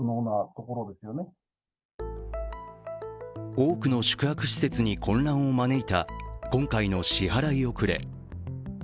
多くの宿泊施設に混乱を招いた今回の支払い遅れ。